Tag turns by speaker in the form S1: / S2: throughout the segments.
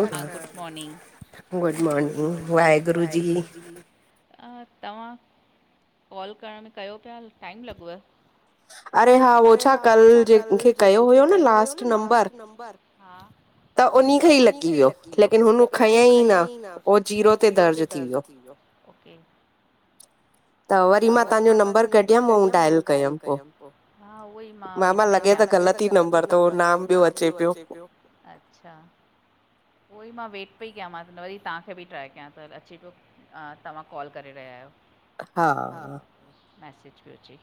S1: हलो! Good morning! Good morning! Waheguru ji! अ तव्हां, call करण में कयो पया, त टाइम लॻव? अरे हा उहो छा, कल्ह जंहिंखे कयो हुयो न लास्ट नंबर, हा त उनीं खे ई लॻी व्यो, लेकिन हुन खयंईं न, हो जीरो ते दर्ज थी व्यो। ओके।
S2: [unintelligible]
S1: त वरी मां तांजो नंबर कढ़यम, अऊं डायल कयम पो, हा उअई मां वेट पई क्यां पई, लॻे त ग़लत ई नम्बर तो, नाम ॿयो अचे प्यो, अच्छा! उहोई मां वेट पई कयां मां वरी तव्हांखे बि ट्राए कयां त अचे पियो अ तव्हां कॉल करे रहिया आहियो हा मैसिज पियो अचे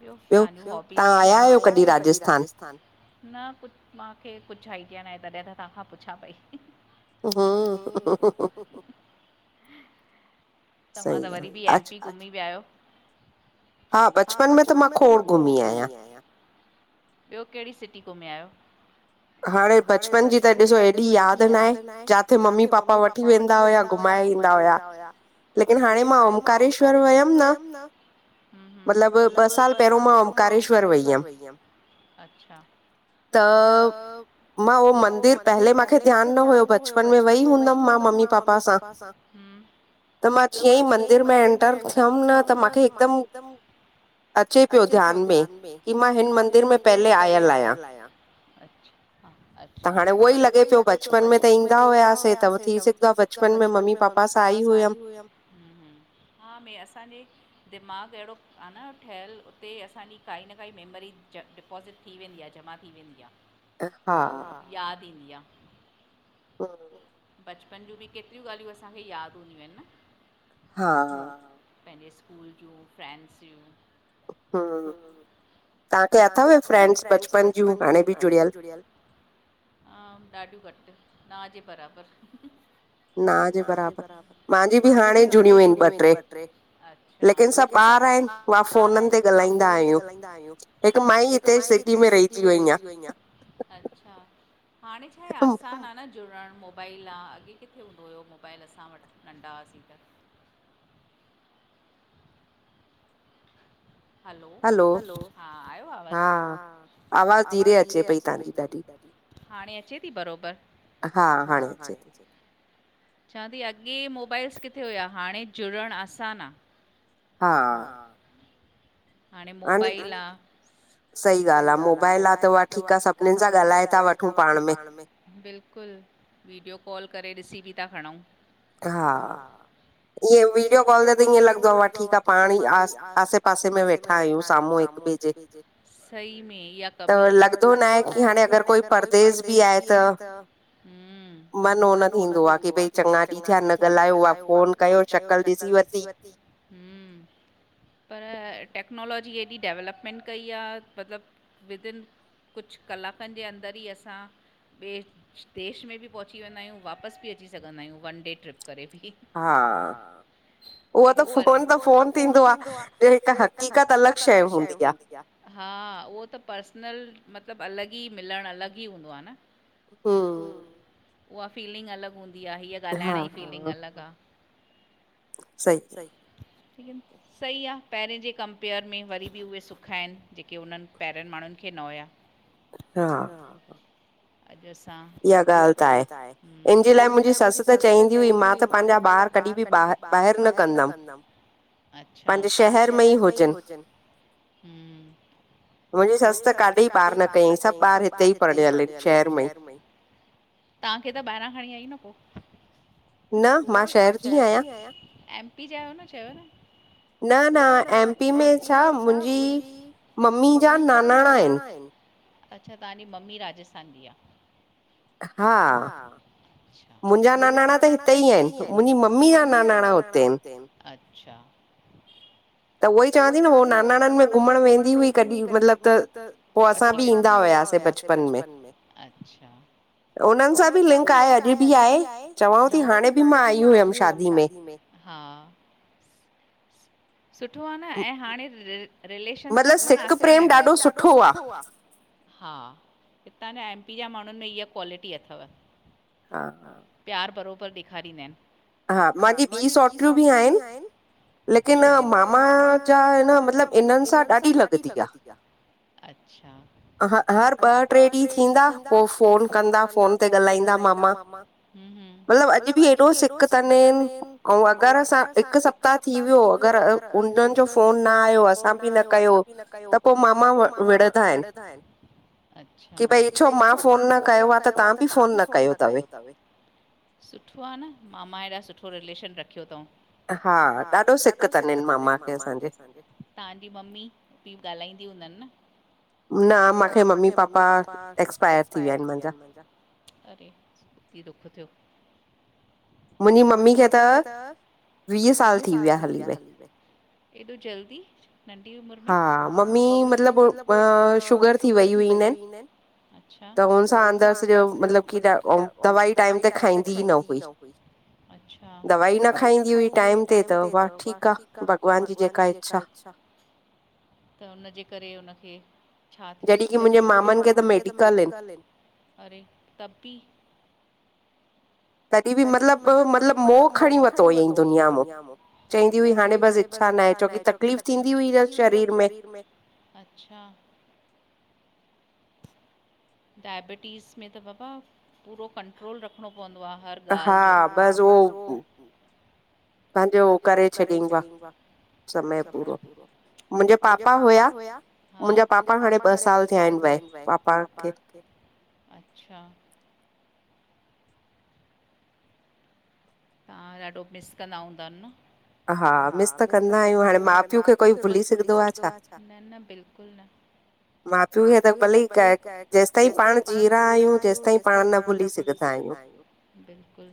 S1: ॿियो तव्हांजी होबिज़ छा आहिन तव्हां आया आहियो कॾहिं राजस्थान न कुझु मूंखे कुझु आइडिया नाहे तॾहिं त तव्हां खां पुछां पई हूं हा हा हा तव्हां त वरी बि एमपी घुमी विया आहियो हा बचपन में त मां खोड़ घुमी आहियां ॿियो केहिड़ी सिटी घुमिया आहियो
S2: हाणे बचपन जी त ॾिसो एॾी यादि ना आहे जिथे मम्मी पापा वठी वेंदा वेंदा हुया घुमाए ईंदा हुया लेकिन हाणे मां ओंकारेश्वर वयमि न मतलबु ॿ साल पहिरियों मां ओंकारेश्वर वई हुयमि त,
S1: मां उहो मंदिर पहले मूंखे ध्यानु न हुयो बचपन में वई हूंदमि मां मम्मी पापा सां त मां जीअं ई मंदरू में एंटर थियमि न त मूंखे हिकदमि अचे पियो ध्यानु में की मां हिन मंदरू में पहले आयिल आहियां
S2: त हाणे उहो ई लॻे पियो बचपन में त ईंदा हुयासीं त थी सिघंदो आ बचपन में मम्मी पापा सां आई हुयिम
S1: हा ॿियो असांजे दिमाग़ु एहिड़ो आहे न ठहियलु उते असांजी काई न काई मेमरी डिपोज़िट थी वेंदी आहे जमा थी वेंदी आहे
S2: हा
S1: यादि ईंदी आहे बचपन जूं बि केतिरियूं ॻाल्हियूं असांखे यादि हूंदियूं आहिनि न हा हा पंहिंजे स्कूल जियूं फ्रैड्स जियूं हूं तव्हांखे अथव फ्रेंड्स बचपन जियूं हाणे बि जुड़ियल हा ॾाढियूं घटि नाजे बराबरि ना जे बराबरि मुंहिंजी बि हाणे जुड़ियूं आहिनि ॿ टे अच्छा लेकिन सभु ॿाहेर आहिनि मां फ़ोननि ते ॻाल्हाईंदा आहियूं हिकु माई हिते सिख अच्छा हाणे छाए आसान आ न जुड़णु मोबाइल आ अॻे किथे हूंदो हुयो मोबाइल असां वटि नंढा हुआसीं त हैलो हैलो हा आयो आवाजु हा आवाज़ु धीरे अचे पई तव्हांजी ॾाढी हाणे अचे थी बराबर
S2: हा हाणे अचे थी
S1: चवां थी अॻे मोबाइल्स किथे हुआ हाणे जुड़णु आसानु आहे हा हाणे मोबाइल आ सही ॻाल्हि आहे मोबाइल आहे त उहा ठीकु आहे सभिनीनि सां ॻाल्हाए था वठूं पाण में बिल्कुलु वीडियो कॉल करे ॾिसी बि था खणउं ईअं वीडियो कॉल ते त ईअं लॻंदो आहे ठीकु आहे पाण ई आसे पासे में वेठा आहियूं साम्हूं हिकु ॿिए जे सही में ईया कमी त लॻंदो न आहे की हाणे अॻरि कोई परदेस बि आहे त मन हो न थींदो आहे की भई चङो ॾींहुं थी विया न ॻाल्हायो आ फ़ोन कयो शकल ॾिसी वरिती हूं पर टेक्नोलॉजी एॾी डेवलपमेंट कई आहे मतिलबु विद ईन कुझु कलाकनि जे अंदर ई असां ॿे देश में बि पहुची वेंदा आयूं वापस बि अची सघंदा आयूं वन डे ट्रिप करे बी। हा हूअं त फोन त फोन थींदो आ जॾी त हकीकत अलॻ शइ हूंदी आ। हा उओ त पर्सनल मतलब अलॻि ई मिलण अलॻ ई हूंदो आ न।
S2: हूं
S1: उहा फीलिंग अलॻ हूंदी आ हीअ ॻाल्हाइण जी फीलिंग अलॻ आ।
S2: सई
S1: सई आ पेहिरें जे कंपेयर में वरी बि उहे सुख आइन जेके उनन पेहरन माण्हुन खे न हुया। इहा ॻाल त आहे इन जे लाइ मुंजी सस त चईंदी हुई मां त पांजा ॿार कॾी बि ॿाहिर ॿाहिर न कंदम। अच्छा पांजे शहर में ई हुजन हूम।
S2: मुंजी सस त काॾे ई पार न कयईं सभ ॿार हिते ई पढ़ियल इन शहर में ई [inaudible]
S1: तांखे त ॿाहिरां खणी आईं न पो। न मां शहर जी आयां एम पी ज आयो न चयो न। न न एमपी में छा मुंजी मम्मी जा नानाणा आहिन अच्छा तहांजी ममी राजस्थान जी आ।
S2: हा मुंजा नानाणा त हिते ई आहिन मुंजी मम्मी जा नानाणा हुते आहिन।
S1: अच्छा त उअई चवांती न उ नानाणन में घुमण वेंदी ईंदी हुई कॾी मतलब त पो असां बि ईंदा हुयासीं बचपन में। त उनन सां बि लिंक आहे अॼ बि आहे चवांव ती हाणे बि मां आई हुयम शादी में। हा। सुठो आ न ऐं हाणेे रिर रिलेशनस रखण आसान आइन, मन सिक प्रेम ॾाढो सुठो आ। हा हितां जा एम पी जा माण्हुन में इहा क्वालिटी अथव।
S2: हा।
S1: हा, प्यार बरोबर ॾेखारींदा आइन, हा मांजी ॿी सोटियूं बि आहिन। लेकिन न मामा जा इन मतलब इनन सां ॾाढी लॻदी आ। अच्छा। ह हर ॿ ट्रे ॾींहं थींदा पो फोन कंदा फोन ते ॻाल्हाईंदा मामा। मतलब अॼ बि एॾो सिक तनन अऊं अगर असां हिक सप्ताह थी वियो अगर उन फोन फोन न आयो असां बि न कयो त पो मामा विढ़ दा आहिन। अच्छा कि भई छो मां फोन न कयो आ त तव्हां बि फोन न कयो तव? सुठो आ न मामा एॾा सुठो रिलेशन रखयो तऊं।
S2: हा ॾाढो
S1: ॾाढो सिक तन‌ हिन मामन में असांजे, तहांजी ममी बि ॻाल्हाईंदी हूंदन न? न मांखे मम्मी पापा एक्सपायर थी विया आहिन मुंजा। अरे बुधी दुख थियो। मुंजी मम्मी खे त वीह साल एॾो जल्दी। नंढी उमिर में हा ममी मतलब ॿ शुगर थी वई हुई न, अच्छा, त हुन सां अंदर सॼो मतलब कि न दवाई टाइम ते खाईंदी ई न हुई। अच्छा, दवाई न खाईंदी हुई टाइम हिते अथव वाह ठीकु आहे भॻवान जी जेका इच्छा। त हुनजे करे हुनखे छा थियुसि पो? जॾहिं की मुंहिंजे मामनि खे त मेडिकल आहिन। अरे तपी तॾहिं बि मतिलबु मतिलबु मोह खणी वरितो हुअं दुनिया मां। चवंदी हुई हाणे बस इच्छा न आहे छोकी तकलीफ़ थींदी हुई न शरीर में। अच्छा। डायबिटीज़ में त बाबा पूरो कंट्रोल रखिणो पवंदो आ हर गाल्ह जो हा बस उहो पंहिंजो करे छॾींदो आ। समय पूरो मुंहिंजा पापा हुया, मुंहिंजा पापा हाणे ॿ साल थिया आहिन वये पापा अच्छा। ताहां ॾाढो मिस कंदा हूंदन न? हा मिस त कंदा आहियूं हाणे माउ पीउ खे कोई भुली सघंदो आ छा? न न बिल्कुलु न।
S2: इनौड़ीबल माउ पीउ खे त भली जेसिताईं पाण जीअरा आहियूं तेेंसिताईं पाण न भुली सघंदा आहियूं।
S1: बिल्कुलु।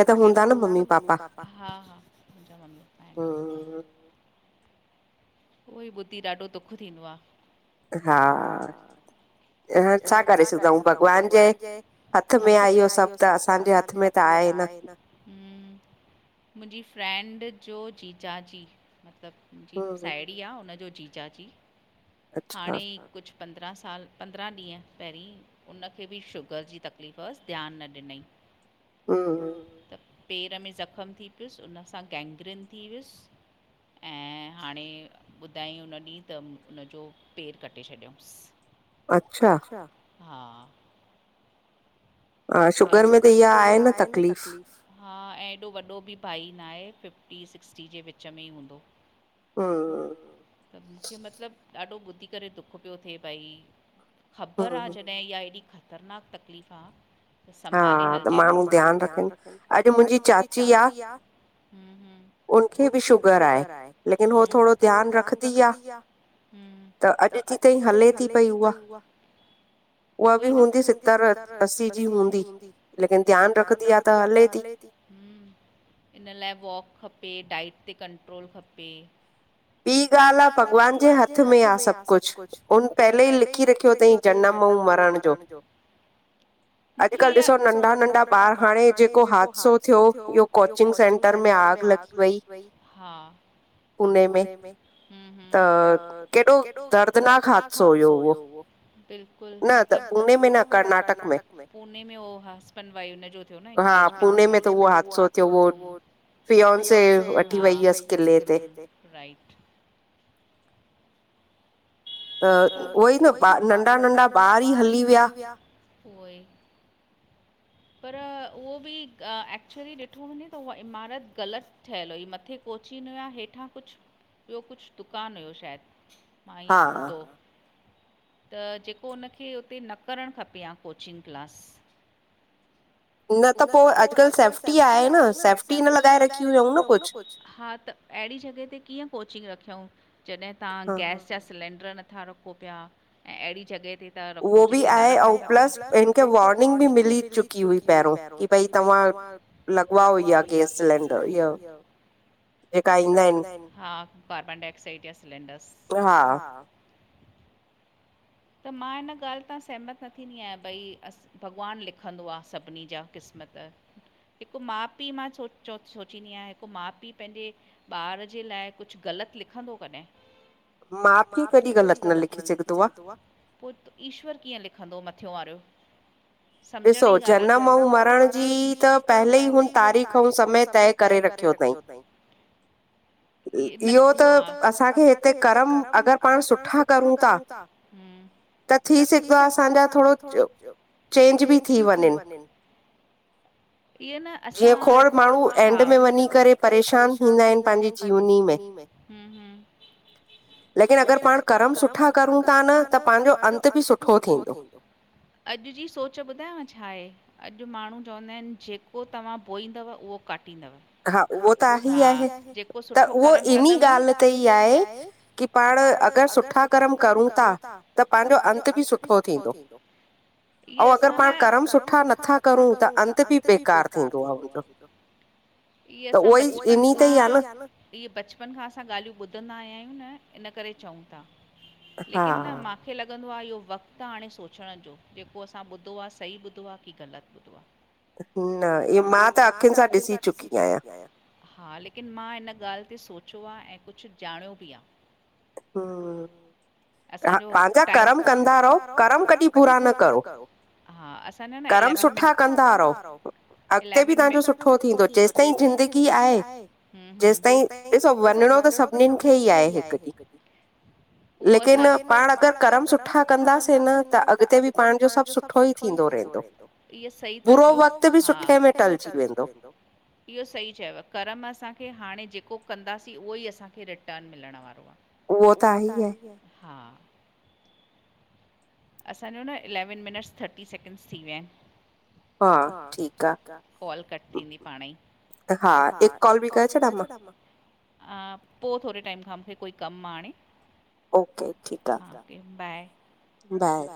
S1: तव्हांखे त हूंदा न मम्मी पापा? हा- हा मुंहिंजा मम्मी पापा आहिंन। उहो ई ॿुधी ॾाढो दुखु थींदो आ।
S2: हा छा करे सघंदऊूं भॻवान जे हथ में आ इहो सभु त असांजे हथ में त आहे न।
S1: हूं मुंहिंजी फ्रेंड जो जीजाजी मतिलबु मुंहिंजी हुनजो जीजा जी हाणे कुझु पंद्रहं साल पंद्रहं ॾींहं पहिरीं उनखे बि शुगर जी तकलीफ़ अस ध्यानु न ॾिनई त पेर में ज़ख़्मु थी पियुसि उन सां गैेंग्रन थी वियुस ऐं हाणे ॿुधायं हुन ॾींहुं त हुनजो पेर कटे छॾियोंसि। अच्छा हा। हा शुगर में त इहा आहे न तकलीफ़। हा ऐं एॾो वॾो बि भाई न आहे फिफ्टी सिक्सटी जे विच में ई हूंदो।
S2: हूं।
S1: त मूंखे मतिलबु ॾाढो ॿुधी करे दुख पियो थिए भई ख़बर आहे जॾहिं इहा एॾी ख़तरनाकु तकलीफ़ आ। संभाले हलजे न त माण्हू ध्यानु रखनि अॼु मुंहिंजी चाची आ। हूं हूं उनखे बि शुगर आहे लेकिन हूअ थो ध्यान रखंदी आ। हूं त अॼु थी ताईं हले थी पई उहा। त उहोई न उहा बि हूंदी सतर असी जी हूंदी। लेकिन ध्यान रखंदी आ। त हले थी। इन लाइ वॉक खपे डाइट ते कंट्रोल खपे।
S2: ॿी ॻाल्ह आ। भॻवान जे हथ में आहे सभु कुझु उन पहले ई लिखी रखियो अथई। जन्म अऊं मरण जो। अॼुकल्ह ॾिसो नंढा- नंढा ॿार हाणे जेको हादसो थियो इहो कोचिंग सेंटर में आग लॻी
S1: लॻी वेई पुणे में। ह्म ह्म त केॾो दर्दनाक हादिसो हुयो उहो। बिल्कुलु। मतलब पूणे में न कर्नाटक में पूणे में हो हस्बैंड वाइफ उनजो हो न जो इगेजमेंट थेयल हुई हा पुणे में त उो हादसो थियो। फियोन्सी वठी वई हुअस कुले ते। हां राईट। त उहोई न नंढा नंढा ॿार ई हली विया उहोई पर उहो बि एक्चुली ॾिठो वञे त उहा इमारत ग़लति ठहियलु हुई मथे कोचिंग हुया हेठां कुझु ॿियो कुछ दुकानु हुयो शायदि मां ईअं ॿुधो त जेको उनखे उते न करणु खपे आ कोचिंग क्लास। न त पोइ अॼुकल्ह सेफ्टी आहे न सेफ्टी न लॻाए रखी हुयूं न कुझु हा त अहिड़ी जॻहि ते कीअं कोचिंग रखियऊं जॾहिं तव्हां गैस जा सिलेंडर नथा रखो पिया ऐं अहिड़ी जॻह ते त रखो जिते न रखोस् प्लस हिनखे वॉर्निंग बि मिली चुकी हुई पहिरियों कि भई तव्हां लॻवायो इहा गैस सिलेंडर इहो जेका ईंदा आहिनि हा कार्बन डाइक्साइड जा सिलेंडर्स हा त मां इन ॻाल्हि तां सहमत न थींदी आहियां भई अस भॻवानु लिखंदो आहे सभिनी जा क़िस्मत। हिकु माउ पीउ मां स सोचींदी आहियां हिकु माउ पीउ पंहिंजे ॿार जे लाइ कुझु ग़लति लिखंदो कॾहिं। माउ पीउ कॾहिं ग़लति न लिखी सघंदो आहे, पोइ ईश्वरु कीअं लिखंदो मथियो वारो। सम्झण जी ॻाल्हि आहे न जनम ओ मरण जी त पहले ई हुन तारीख़ ऐं समय तय करे रखियो अथईं।
S2: [inaudible]
S1: इहो त असांखे हिते कर्म अगरि पाण सुठा कयूं था त थी सघंदो आहे असांजा थोरो
S2: चेंज बि थी वञे।
S1: ईअं न असां खोड़ माण्हू एंड में वञी करे परेशान थींदा आहिनि पंहिंजी जीवनी में हम् ह्म लेकिन अगरि पाण कर्म सुठा करूं था न त पंहिंजो अंत बि सुठो थींदो। अॼु जी सोच ॿुधायांव छा आहे? अॼु माण्हू चवंदा आहिनि जेको तव्हां बोईंदव उहो कटींदव। हा उहो त आहे ई आहे जेको सुठो कर्म कंदव अहिड़ी ॻाल्हि त ईअ आहे। कि पाण अगरि सुठा कर्म कयूं था त पंहिंजो अंत बि सुठो थींदो। इअ असां न पाण करम सुठा नथा करूं त अंत बि बेकार थींदो आहे।
S2: [inaudible]
S1: इहो असां बचपन खां उहोई आहे न इहे बचपन खां असां ॻाल्हियूं ॿुधंदा आया आहियूं न इन करे चऊं था लेकिन न मां मूंखे लॻंदो आहे इहो वक़्तु आहे हाणे सोचण जो जेको असां ॿुधो आहे सही ॿुो आहे की ग़लति ॿुधो आहे। न इो मां त अखियुनि सां ॾिसी चुकी आहियां। हा लेकिन मां हिनन ॻाल्हि ते सोचियो आहे ऐं कुझु ॼाणियो बि आहे।
S2: हा ह पंहिंजा कर्म कंदा रहो कर्म कॾहिं बुरा न करो। कर्म सुठा कंदा रहो अॻिते बि तव्हांजो सुठो थींदो जेसि ताईं ज़िंदगी आहे। जेसि ताईं ॾिसो वञिणो त सभिननिनि खे ई आहे हिकु ॾींहुं। लेकिन
S1: न पाण अगरि कर्म सुठा कंदासीं न त अॻिते बि पाण सभु सुठो ई थींदो रहंदो। इअो सही ता बुरो वक़्तु बि सुठे में टलजी वेंदो। इहो सही चयोयव कर्म असांखे हाणे जेको कंदासीं उहो ई असांखे रिटर्न मिलण वारो आहे। उह त ईी आहे हा। असांजो न इलेवन मिनट्स थर्टी सैकेंड्स थी विया आहिनि, हा ठीकु आहे कॉल कट थींदी पाणंई, हा एक कॉल बि करे छॾां मां? हा पो थोरे टाइम खां, मुखे कोई कमु आ हांणे। ओके ठीक आ, ओके बाए
S2: बाए।